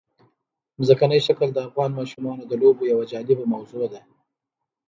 ځمکنی شکل د افغان ماشومانو د لوبو یوه جالبه موضوع ده.